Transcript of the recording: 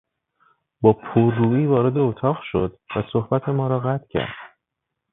با پررویی وارد اتاق شد و صحبت ما را قطع کرد.